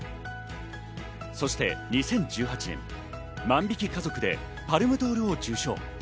そして２０１８年、『万引き家族』でパルムドールを受賞。